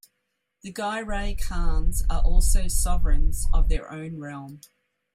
The Giray Khans were also sovereigns of their own realm.